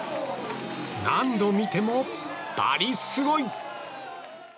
何度見てもバリすごい！